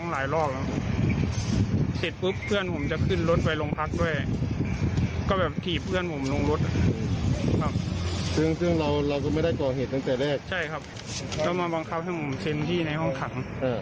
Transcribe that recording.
แล้วมาบังคับให้ผมเซ็นที่ในห้องขัง